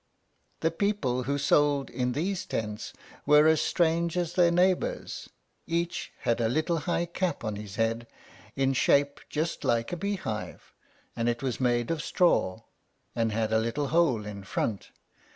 The people who sold in these tents were as strange as their neighbors; each had a little high cap on his head, in shape just like a beehive, and it was made of straw, and had a little hole in front.